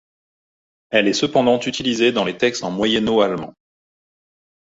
Elle est cependant utilisée dans les textes en moyen haut-allemand.